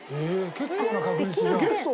結構な確率じゃん。